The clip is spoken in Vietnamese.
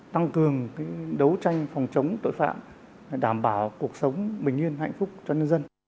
tăng cường đấu tranh phòng chống tội phạm đảm bảo cuộc sống bình yên hạnh phúc cho nhân dân